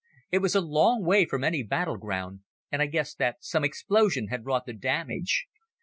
It was a long way from any battle ground, and I guessed that some explosion had wrought the damage.